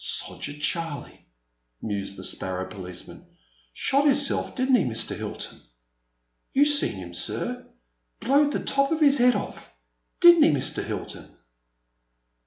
"Soger Charlie," mused the sparrow police man, shot his self, did n*t he, Mr. Hilton ? You seen him, sir, — ^blowed the top of his head off, did n*t he, Mr. Hilton